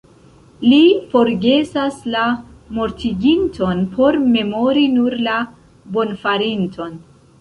Li forgesas la mortiginton por memori nur la bonfarinton.